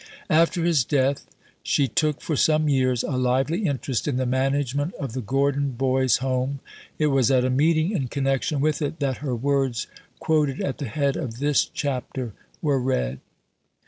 After his death, she took for some years a lively interest in the management of the Gordon Boys' Home. It was at a meeting in connection with it that her words, quoted at the head of this chapter, were read.